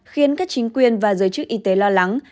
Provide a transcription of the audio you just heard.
khiến các chính quyền và giới chức y tế lo lắng